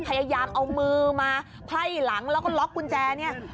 พยายามเอามือมาไพ่หลังแล้วก็ล็อกกุญแจเนี่ย